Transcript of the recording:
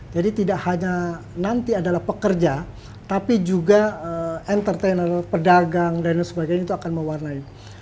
jadi tidak hanya nanti adalah pekerja tapi juga entertainer pedagang dan sebagainya itu akan mewarnai